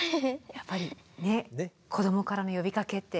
やっぱりね子どもからの呼びかけって。